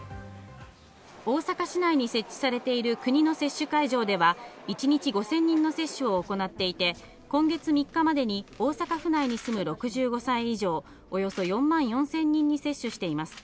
大阪市内に設置されている国の接種会場では一日５０００人の接種を行っていて、今月３日までに大阪府内に住む６５歳以上、およそ４万４０００人に接種しています。